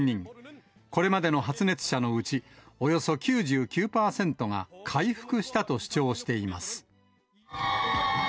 これまでの発熱者のうち、およそ９９％が回復したと主張しています。